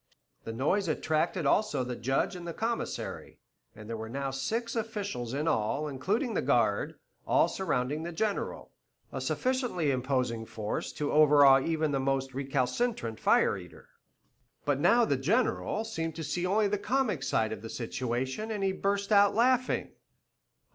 The noise attracted also the Judge and the Commissary, and there were now six officials in all, including the guard, all surrounding the General, a sufficiently imposing force to overawe even the most recalcitrant fire eater. But now the General seemed to see only the comic side of the situation, and he burst out laughing.